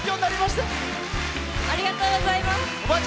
ありがとうございます！